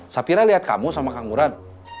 sapira lihat kamu sama kang murad